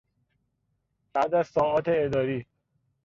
بعد از ساعات اداری